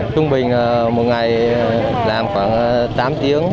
trung bình một ngày làm khoảng tám tiếng